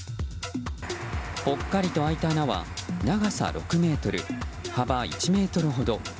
ぽっかりと開いた穴は長さ６ｍ、幅１ｍほど。